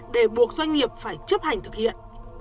để buộc doanh nghiệp phải chấp hành thực hiện